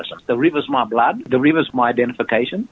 sungai itu adalah identifikasi saya